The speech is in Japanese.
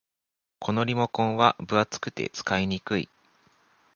このリモコンは分厚くて使いにくい